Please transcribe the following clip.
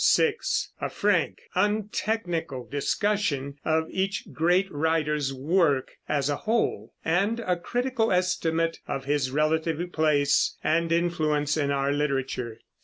(6) A frank, untechnical discussion of each great writer's work as a whole, and a critical estimate of his relative place and influence in our literature.